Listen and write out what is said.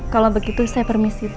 kalau begitu saya permisi bu